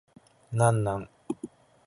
何なん